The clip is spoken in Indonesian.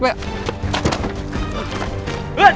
terus makan dong